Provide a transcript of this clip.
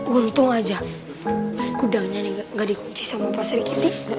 untung aja gudangnya nih gak dikunci sama pasir kitty